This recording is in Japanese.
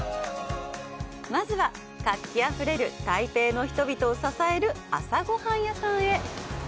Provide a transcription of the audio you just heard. まずは、活気あふれる台北の人々を支える朝ごはん屋さんへ。